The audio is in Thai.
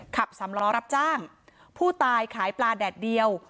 ขับสำล้อรับจ้างผู้ตายขายปลาแดดเดียว